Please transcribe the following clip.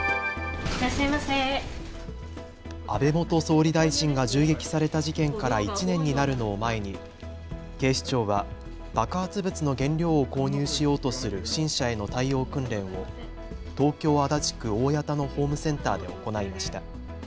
安倍元総理大臣が銃撃された事件から１年になるのを前に警視庁は爆発物の原料を購入しようとする不審者への対応訓練を東京足立区大谷田のホームセンターで行いました。